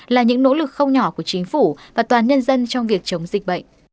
là những nỗ lực không nhỏ của chính phủ và toàn nhân dân trong việc chống dịch bệnh